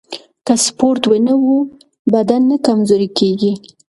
که سپورت وي نو بدن نه کمزوری کیږي.